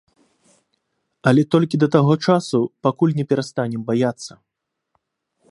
Але толькі да таго часу, пакуль не перастанем баяцца.